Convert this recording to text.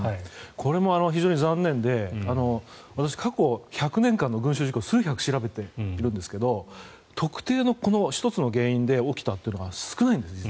これも非常に残念で私過去１００年間の群衆事故を数百調べているんですが特定の１つの原因で起きたというのは少ないんです。